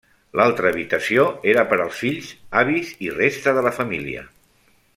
L'altra habitació era per als fills, avis i resta de la família.